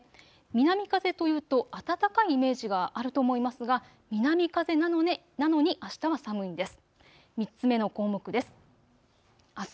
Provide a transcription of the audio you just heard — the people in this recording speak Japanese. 南風というと暖かいイメージがあると思いますが、南風なのにあしたは寒いです。